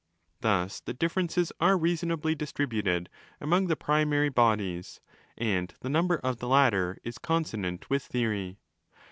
Thus the differences are reasonably distributed among the primary bodies, and the number of the latter is consonant with theory.